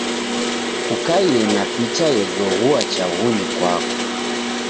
Kukaie na picha ezoghua chaghunyi kwako.